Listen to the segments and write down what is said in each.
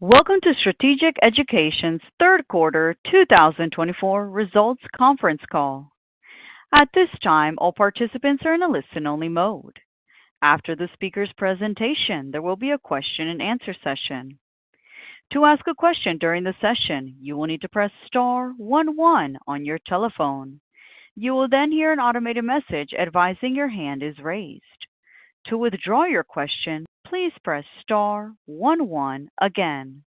Welcome to Strategic Education's third quarter 2024 results conference call. At this time, all participants are in a listen-only mode. After the speaker's presentation, there will be a question-and-answer session. To ask a question during the session, you will need to press star one one on your telephone. You will then hear an automated message advising your hand is raised. To withdraw your question, please press star one one again.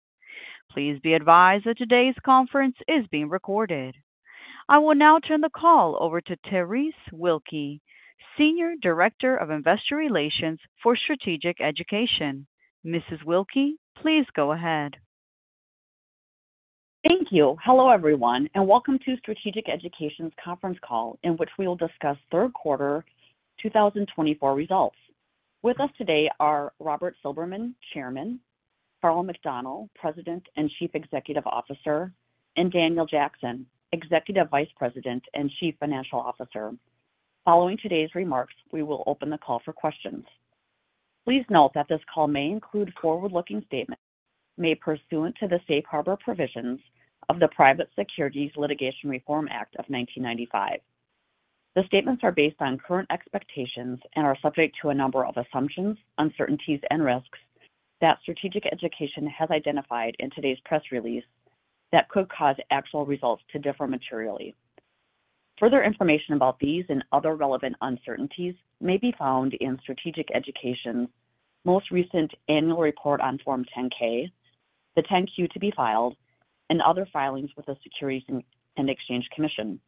Please be advised that today's conference is being recorded. I will now turn the call over to Terese Wilke, Senior Director of Investor Relations for Strategic Education. Mrs. Wilke, please go ahead. Thank you. Hello, everyone, and welcome to Strategic Education's conference call, in which we will discuss third quarter 2024 results. With us today are Robert Silberman, Chairman, Karl McDonnell, President and Chief Executive Officer, and Daniel Jackson, Executive Vice President and Chief Financial Officer. Following today's remarks, we will open the call for questions. Please note that this call may include forward-looking statements made pursuant to the safe harbor provisions of the Private Securities Litigation Reform Act of 1995. The statements are based on current expectations and are subject to a number of assumptions, uncertainties, and risks that Strategic Education has identified in today's press release that could cause actual results to differ materially. Further information about these and other relevant uncertainties may be found in Strategic Education's most recent annual report on Form 10-K, the 10-Q to be filed, and other filings with the Securities and Exchange Commission,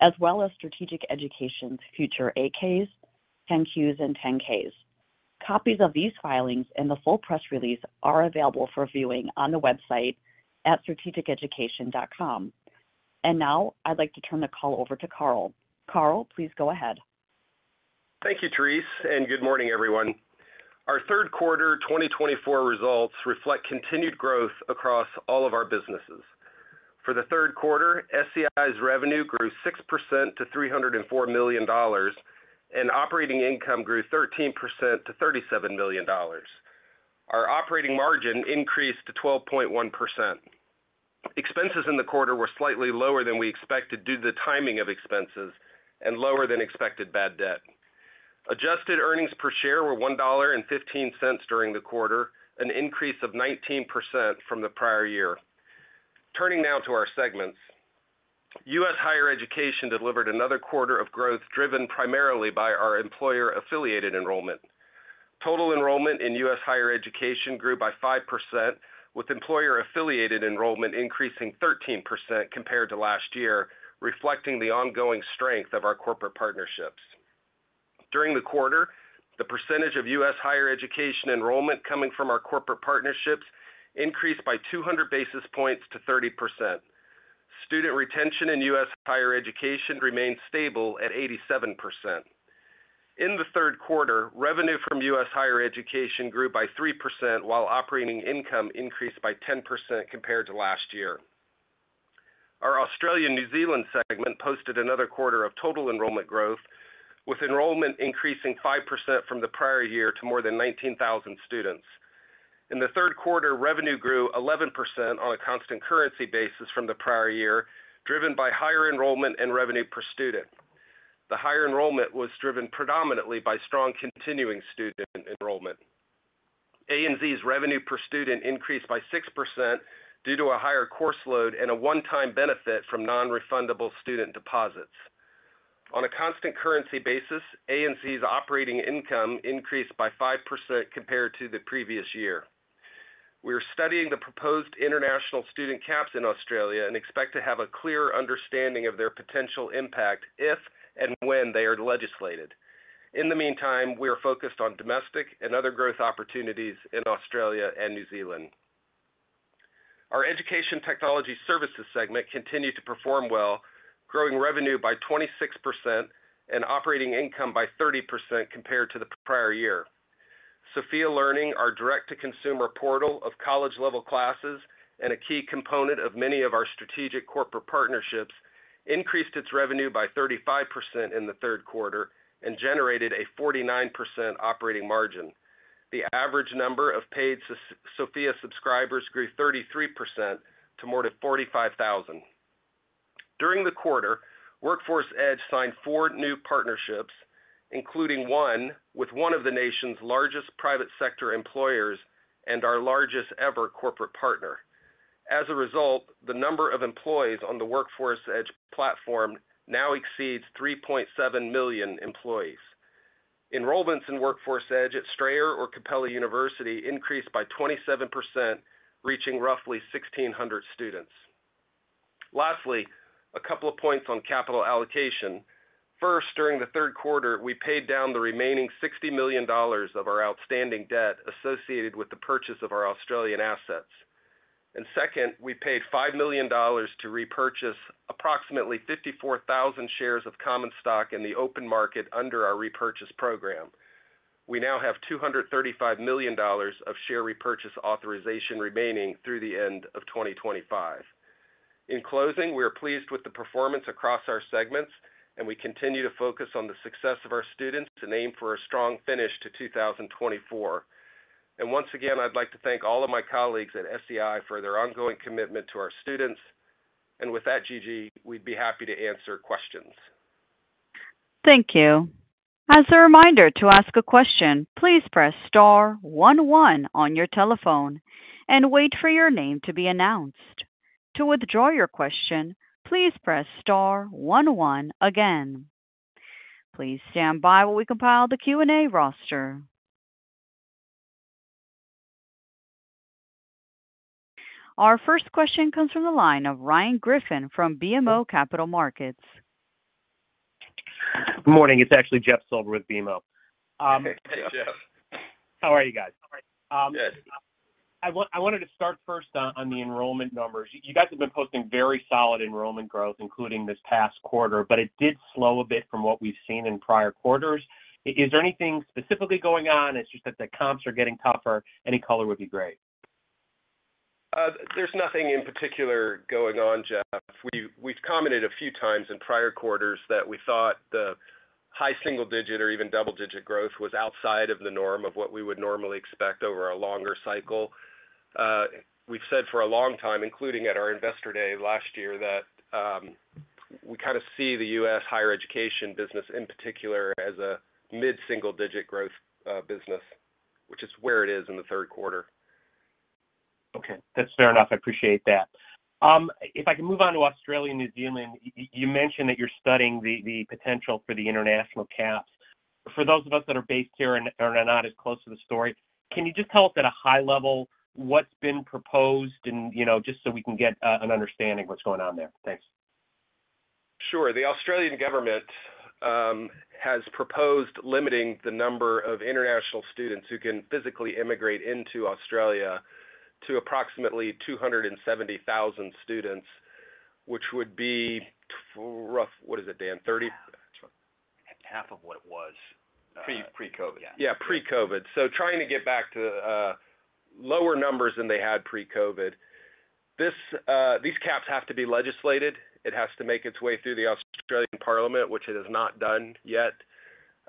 as well as Strategic Education's future 8-Ks, 10-Qs, and 10-Ks. Copies of these filings and the full press release are available for viewing on the website at strategiceducation.com. And now I'd like to turn the call over to Karl. Karl, please go ahead. Thank you, Terese, and good morning, everyone. Our third quarter 2024 results reflect continued growth across all of our businesses. For the third quarter, SEI's revenue grew 6% to $304 million, and operating income grew 13% to $37 million. Our operating margin increased to 12.1%. Expenses in the quarter were slightly lower than we expected due to the timing of expenses and lower than expected bad debt. Adjusted earnings per share were $1.15 during the quarter, an increase of 19% from the prior year. Turning now to our segments, U.S. Higher Education delivered another quarter of growth driven primarily by our employer-affiliated enrollment. Total enrollment in U.S. Higher Education grew by 5%, with employer-affiliated enrollment increasing 13% compared to last year, reflecting the ongoing strength of our corporate partnerships. During the quarter, the percentage of U.S. Higher Education enrollment coming from our corporate partnerships increased by 200 basis points to 30%. Student retention in U.S. Higher Education remained stable at 87%. In the third quarter, revenue from U.S. Higher Education grew by 3%, while operating income increased by 10% compared to last year. Our Australia-New Zealand segment posted another quarter of total enrollment growth, with enrollment increasing 5% from the prior year to more than 19,000 students. In the third quarter, revenue grew 11% on a constant currency basis from the prior year, driven by higher enrollment and revenue per student. The higher enrollment was driven predominantly by strong continuing student enrollment. ANZ's revenue per student increased by 6% due to a higher course load and a one-time benefit from non-refundable student deposits. On a constant currency basis, ANZ's operating income increased by 5% compared to the previous year. We are studying the proposed international student caps in Australia and expect to have a clearer understanding of their potential impact if and when they are legislated. In the meantime, we are focused on domestic and other growth opportunities in Australia and New Zealand. Our Education Technology Services segment continued to perform well, growing revenue by 26% and operating income by 30% compared to the prior year. Sophia Learning, our direct-to-consumer portal of college-level classes and a key component of many of our strategic corporate partnerships, increased its revenue by 35% in the third quarter and generated a 49% operating margin. The average number of paid Sophia subscribers grew 33% to more than 45,000. During the quarter, Workforce Edge signed four new partnerships, including one with one of the nation's largest private sector employers and our largest ever corporate partner. As a result, the number of employees on the Workforce Edge platform now exceeds 3.7 million employees. Enrollments in Workforce Edge at Strayer or Capella University increased by 27%, reaching roughly 1,600 students. Lastly, a couple of points on capital allocation. First, during the third quarter, we paid down the remaining $60 million of our outstanding debt associated with the purchase of our Australian assets, and second, we paid $5 million to repurchase approximately 54,000 shares of common stock in the open market under our repurchase program. We now have $235 million of share repurchase authorization remaining through the end of 2025. In closing, we are pleased with the performance across our segments, and we continue to focus on the success of our students and aim for a strong finish to 2024, and once again, I'd like to thank all of my colleagues at SEI for their ongoing commitment to our students. With that, Gigi, we'd be happy to answer questions. Thank you. As a reminder to ask a question, please press star one one on your telephone and wait for your name to be announced. To withdraw your question, please press star one one again. Please stand by while we compile the Q&A roster. Our first question comes from the line of Ryan Griffin from BMO Capital Markets. Good morning. It's actually Jeff Silber with BMO. Hey, Jeff. How are you guys? Good. I wanted to start first on the enrollment numbers. You guys have been posting very solid enrollment growth, including this past quarter, but it did slow a bit from what we've seen in prior quarters. Is there anything specifically going on? It's just that the comps are getting tougher. Any color would be great. There's nothing in particular going on, Jeff. We've commented a few times in prior quarters that we thought the high single-digit or even double-digit growth was outside of the norm of what we would normally expect over a longer cycle. We've said for a long time, including at our Investor Day last year, that we kind of see the U.S. Higher Education business in particular as a mid-single-digit growth business, which is where it is in the third quarter. Okay. That's fair enough. I appreciate that. If I can move on to Australia and New Zealand, you mentioned that you're studying the potential for the international caps. For those of us that are based here and are not as close to the story, can you just tell us at a high level what's been proposed just so we can get an understanding of what's going on there? Thanks. Sure. The Australian government has proposed limiting the number of international students who can physically immigrate into Australia to approximately 270,000 students, which would be rough, what is it, Dan? Half of what it was pre-COVID. Yeah, pre-COVID. So trying to get back to lower numbers than they had pre-COVID. These caps have to be legislated. It has to make its way through the Australian Parliament, which it has not done yet.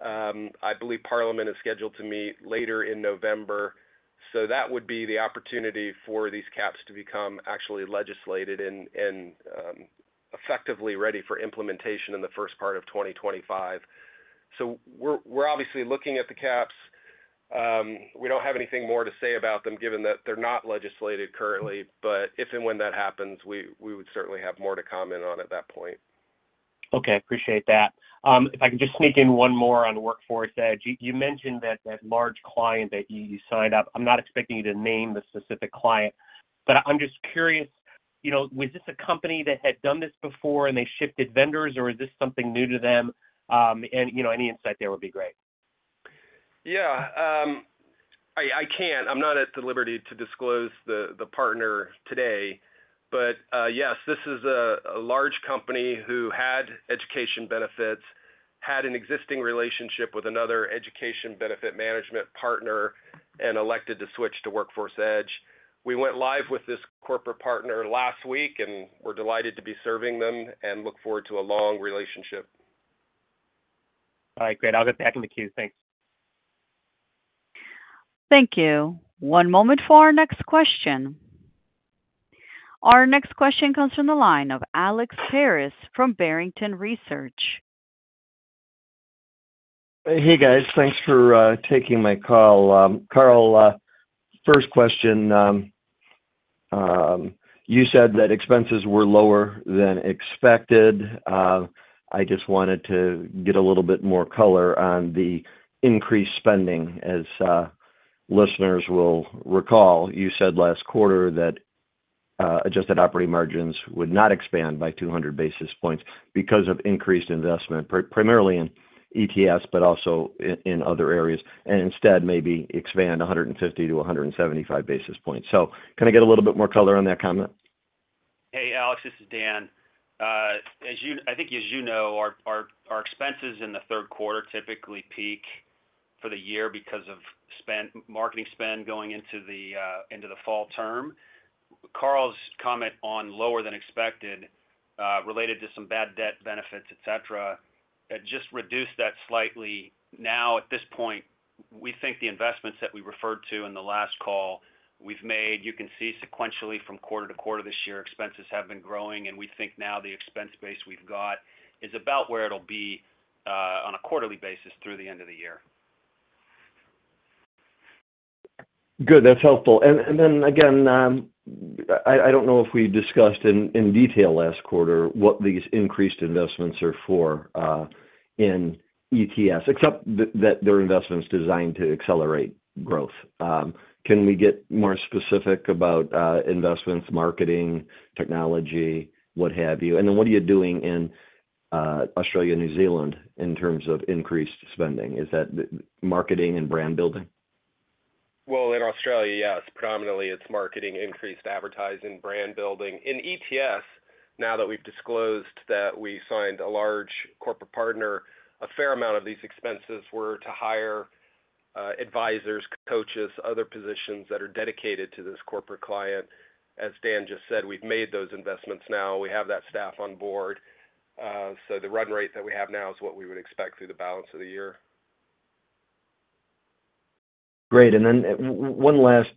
I believe Parliament is scheduled to meet later in November. So that would be the opportunity for these caps to become actually legislated and effectively ready for implementation in the first part of 2025. So we're obviously looking at the caps. We don't have anything more to say about them given that they're not legislated currently. But if and when that happens, we would certainly have more to comment on at that point. Okay. I appreciate that. If I can just sneak in one more on Workforce Edge. You mentioned that large client that you signed up. I'm not expecting you to name the specific client, but I'm just curious, was this a company that had done this before and they shifted vendors, or is this something new to them? And any insight there would be great. Yeah. I can't. I'm not at the liberty to disclose the partner today. But yes, this is a large company who had education benefits, had an existing relationship with another education benefit management partner, and elected to switch to Workforce Edge. We went live with this corporate partner last week, and we're delighted to be serving them and look forward to a long relationship. All right. Great. I'll get back in the queue. Thanks. Thank you. One moment for our next question. Our next question comes from the line of Alex Paris from Barrington Research. Hey, guys. Thanks for taking my call. Karl, first question. You said that expenses were lower than expected. I just wanted to get a little bit more color on the increased spending. As listeners will recall, you said last quarter that adjusted operating margins would not expand by 200 basis points because of increased investment, primarily in ETS, but also in other areas, and instead maybe expand 150-175 basis points. So can I get a little bit more color on that comment? Hey, Alex. This is Dan. I think, as you know, our expenses in the third quarter typically peak for the year because of marketing spend going into the fall term. Karl's comment on lower than expected related to some bad debt benefits, etc., just reduced that slightly. Now, at this point, we think the investments that we referred to in the last call we've made, you can see sequentially from quarter to quarter this year, expenses have been growing, and we think now the expense base we've got is about where it'll be on a quarterly basis through the end of the year. Good. That's helpful. And then again, I don't know if we discussed in detail last quarter what these increased investments are for in ed tech, except that they're investments designed to accelerate growth. Can we get more specific about investments, marketing, technology, what have you? And then what are you doing in Australia and New Zealand in terms of increased spending? Is that marketing and brand building? In Australia, yes. Predominantly, it's marketing, increased advertising, brand building. In ETS, now that we've disclosed that we signed a large corporate partner, a fair amount of these expenses were to hire advisors, coaches, other positions that are dedicated to this corporate client. As Dan just said, we've made those investments now. We have that staff on board. The run rate that we have now is what we would expect through the balance of the year. Great. And then one last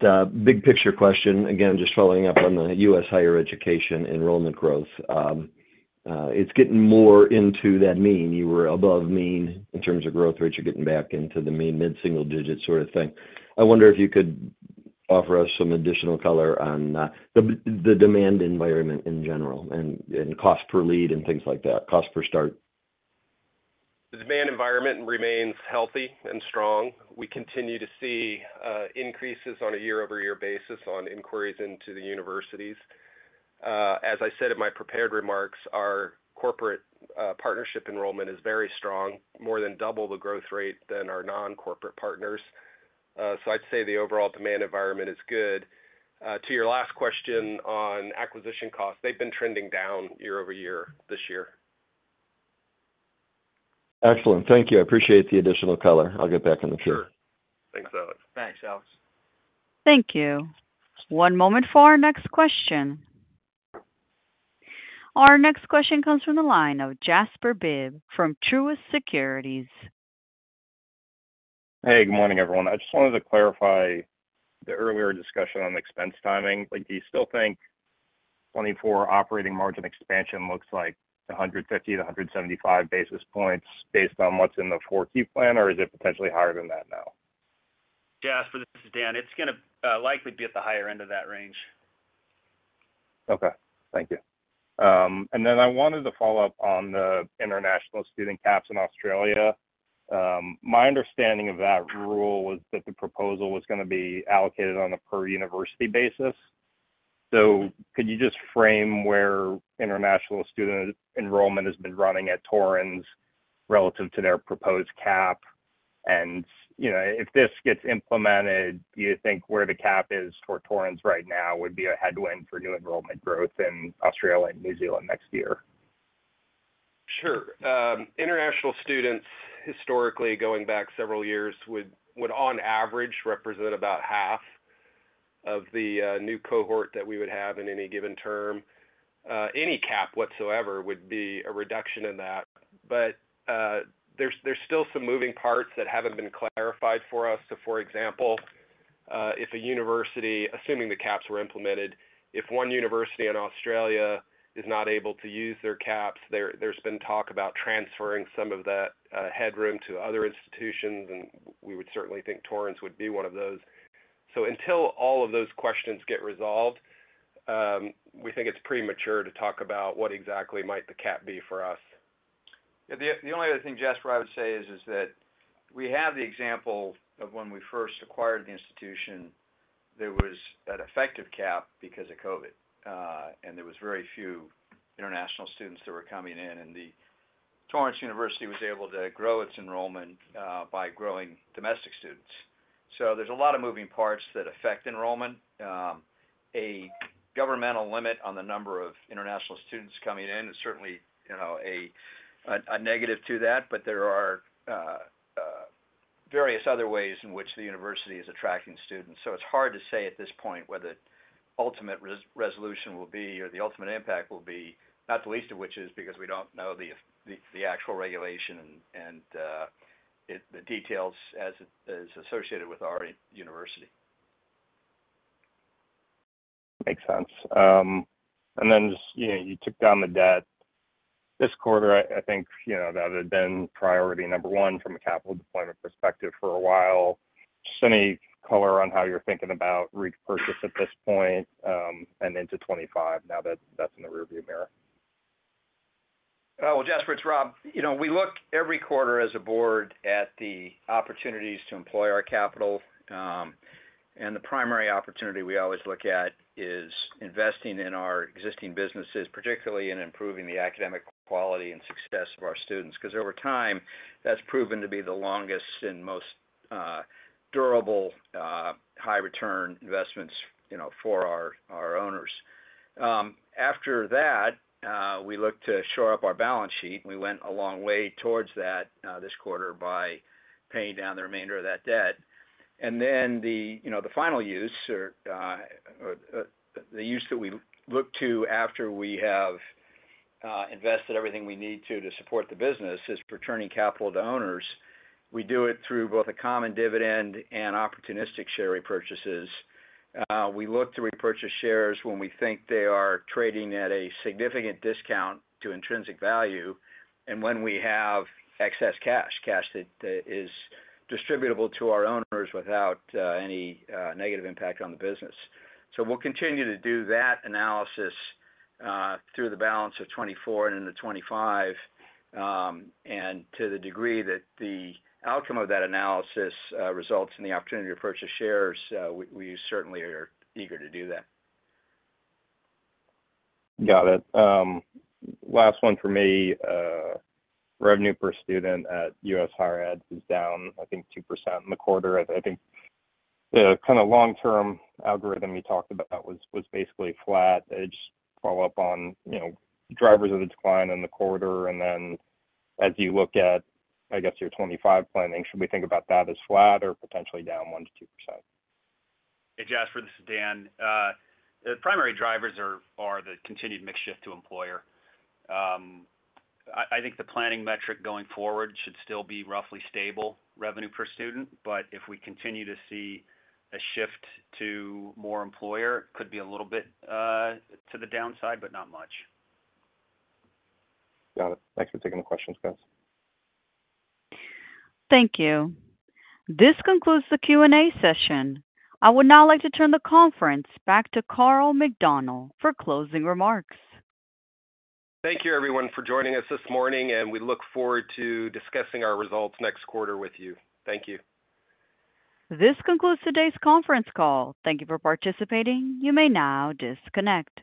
big picture question, again, just following up on the U.S. Higher Education enrollment growth. It's getting more into that mean. You were above mean in terms of growth rate. You're getting back into the mean, mid-single-digit sort of thing. I wonder if you could offer us some additional color on the demand environment in general and cost per lead and things like that, cost per start. The demand environment remains healthy and strong. We continue to see increases on a year-over-year basis on inquiries into the universities. As I said in my prepared remarks, our corporate partnership enrollment is very strong, more than double the growth rate than our non-corporate partners. So I'd say the overall demand environment is good. To your last question on acquisition costs, they've been trending down year over year this year. Excellent. Thank you. I appreciate the additional color. I'll get back in the field. Sure. Thanks, Alex. Thanks, Alex. Thank you. One moment for our next question. Our next question comes from the line of Jasper Bibb from Truist Securities. Hey, good morning, everyone. I just wanted to clarify the earlier discussion on expense timing. Do you still think 2024 operating margin expansion looks like 150 basis points-175 basis points based on what's in the 10-K plan, or is it potentially higher than that now? Jasper, this is Dan. It's going to likely be at the higher end of that range. Okay. Thank you. And then I wanted to follow up on the international student caps in Australia. My understanding of that rule was that the proposal was going to be allocated on a per-university basis. So could you just frame where international student enrollment has been running at Torrens relative to their proposed cap? And if this gets implemented, do you think where the cap is for Torrens right now would be a headwind for new enrollment growth in Australia and New Zealand next year? Sure. International students, historically, going back several years, would on average represent about half of the new cohort that we would have in any given term. Any cap whatsoever would be a reduction in that. But there's still some moving parts that haven't been clarified for us. So, for example, assuming the caps were implemented, if one university in Australia is not able to use their caps, there's been talk about transferring some of that headroom to other institutions, and we would certainly think Torrens would be one of those. So until all of those questions get resolved, we think it's premature to talk about what exactly might the cap be for us. The only other thing, Jasper, I would say is that we have the example of when we first acquired the institution. There was an effective cap because of COVID, and there were very few international students that were coming in, and Torrens University was able to grow its enrollment by growing domestic students, so there's a lot of moving parts that affect enrollment. A governmental limit on the number of international students coming in is certainly a negative to that, but there are various other ways in which the university is attracting students, so it's hard to say at this point what the ultimate resolution will be or the ultimate impact will be, not the least of which is because we don't know the actual regulation and the details as associated with our university. Makes sense. And then you took down the debt. This quarter, I think that had been priority number one from a capital deployment perspective for a while. Just any color on how you're thinking about repurchase at this point and into 2025 now that that's in the rearview mirror? Well, Jasper, it's Rob. We look every quarter as a board at the opportunities to employ our capital. And the primary opportunity we always look at is investing in our existing businesses, particularly in improving the academic quality and success of our students. Because over time, that's proven to be the longest and most durable high-return investments for our owners. After that, we look to shore up our balance sheet. We went a long way towards that this quarter by paying down the remainder of that debt. And then the final use, the use that we look to after we have invested everything we need to support the business, is for turning capital to owners. We do it through both a common dividend and opportunistic share repurchases. We look to repurchase shares when we think they are trading at a significant discount to intrinsic value and when we have excess cash, cash that is distributable to our owners without any negative impact on the business. So we'll continue to do that analysis through the balance of 2024 and into 2025. And to the degree that the outcome of that analysis results in the opportunity to purchase shares, we certainly are eager to do that. Got it. Last one for me. Revenue per student at U.S. higher ed is down, I think, 2% in the quarter. I think the kind of long-term algorithm you talked about was basically flat. I just follow up on drivers of the decline in the quarter. And then as you look at, I guess, your 2025 planning, should we think about that as flat or potentially down 1%-2%? Hey, Jasper. This is Dan. The primary drivers are the continued mix shift to employer. I think the planning metric going forward should still be roughly stable revenue per student. But if we continue to see a shift to more employer, it could be a little bit to the downside, but not much. Got it. Thanks for taking the questions, guys. Thank you. This concludes the Q&A session. I would now like to turn the conference back to Karl McDonnell for closing remarks. Thank you, everyone, for joining us this morning, and we look forward to discussing our results next quarter with you. Thank you. This concludes today's conference call. Thank you for participating. You may now disconnect.